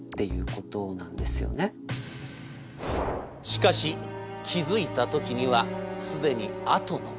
しかし気付いた時には既に「後の祭り」。